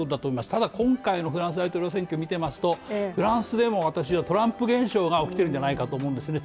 ただ、今回のフランス大統領選挙を見ていますと、フランスでも私はトランプ現象が起きているんじゃないかと思うんですね。